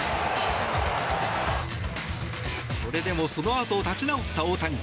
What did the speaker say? それでもそのあと立ち直った大谷。